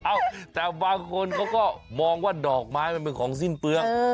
เอ้าแต่บางคนเขาก็มองว่าดอกไม้มันเป็นของสิ้นเปลือง